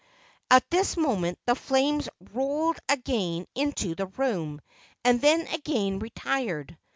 At this moment the flames rolled again into the room and then again retired.